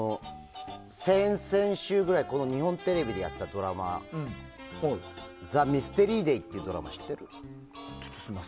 先々週ぐらい日本テレビでやっていたドラマ「ザ・ミステリーデイ」ってドラマ知ってる？